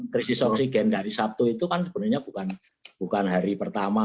krisis oksigen dari sabtu itu kan sebenarnya bukan hari pertama